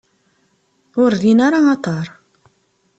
Ur rrin ara aḍar.